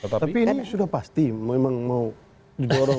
tapi ini sudah pasti memang mau jorong